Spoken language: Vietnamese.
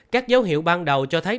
các dấu hiệu ban đầu cho thấy